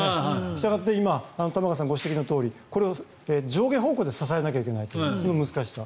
したがって今、玉川さんがご指摘のとおりこれを上下方向で支えないといけないという難しさ。